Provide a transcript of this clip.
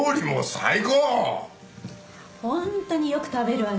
ホントによく食べるわね。